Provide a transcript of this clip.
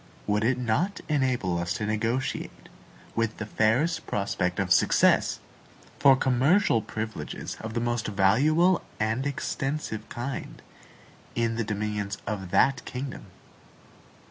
Would it not enable us to negotiate, with the fairest prospect of success, for commercial privileges of the most valuable and extensive kind, in the dominions of that kingdom?